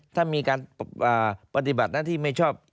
ถ้ามีการปฏิบัติหน้าที่ไม่ชอบ